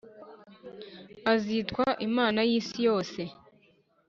Azitwa Imana y isi yose